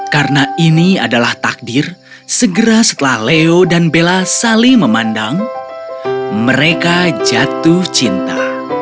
karena ini adalah takdir segera setelah leo dan bella saling memandang mereka jatuh cinta